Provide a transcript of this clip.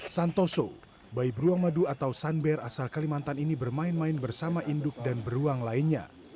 santoso bayi beruang madu atau sanber asal kalimantan ini bermain main bersama induk dan beruang lainnya